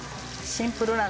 シンプル。